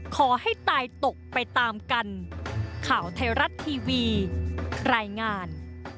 ขอให้ตายตกไปตามกันข่าวไทยรัฐทีวีรายงาน